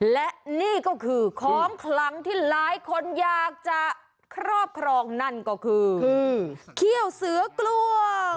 และนี่ก็คือของคลังที่หลายคนอยากจะครอบครองนั่นก็คือเขี้ยวเสือกล้วง